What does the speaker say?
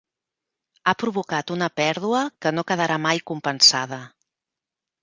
Ha provocat una pèrdua que no quedarà mai compensada.